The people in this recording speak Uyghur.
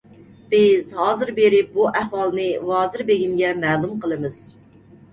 بىز ھازىر بېرىپ، بۇ ئەھۋالنى ۋازىر بېگىمگە مەلۇم قىلىمىز.